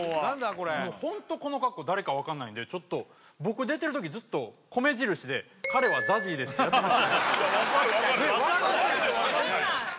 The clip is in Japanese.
これもうホントこの格好誰か分かんないんでちょっと僕出てる時ずっと米印でってやってもらっていいですかねえ